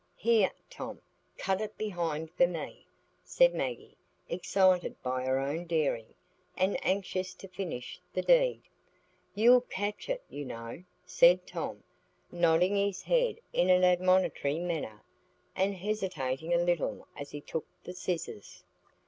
"Here, Tom, cut it behind for me," said Maggie, excited by her own daring, and anxious to finish the deed. "You'll catch it, you know," said Tom, nodding his head in an admonitory manner, and hesitating a little as he took the scissors.